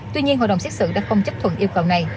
tuy nhiên hội đồng xét xử đã không chấp thuận yêu cầu này